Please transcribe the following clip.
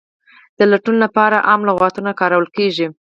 د لټون لپاره عام لغتونه کارول کیږي.